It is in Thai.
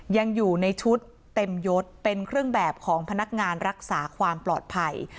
ยังอยู่ในชุดเต็มยศเป็นเครื่องแบบของพนักงานรักษาความปลอดภัย